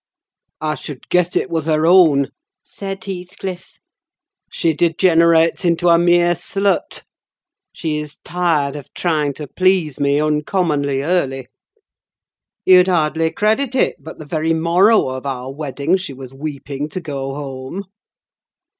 "I should guess it was her own," said Heathcliff. "She degenerates into a mere slut! She is tired of trying to please me uncommonly early. You'd hardly credit it, but the very morrow of our wedding she was weeping to go home.